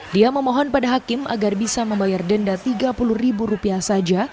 dia memohon pada hakim agar bisa membayar denda tiga puluh ribu rupiah saja